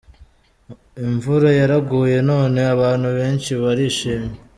Imvura yaraguye none abantu bensi barishimye.